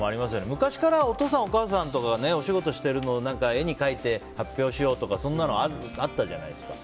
昔からお父さん、お母さんとかがお仕事してるのを絵に描いて、発表しようとかそんなのあったじゃないですか。